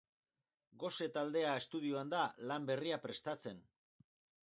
Gose taldea estudioan da lan berria prestatzen.